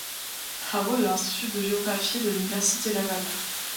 Travaux de l’Institut de géographie de l’Université Laval.